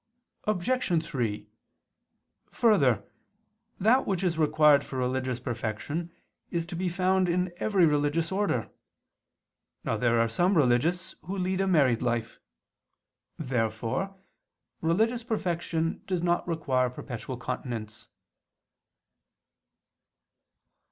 Obj. 3: Further, that which is required for religious perfection is to be found in every religious order. Now there are some religious who lead a married life. Therefore religious perfection does not require perpetual continence.